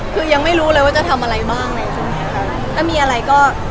คือยังไม่รู้เลยว่าจะทำอะไรบ้างในช่วงนี้ค่ะถ้ามีอะไรก็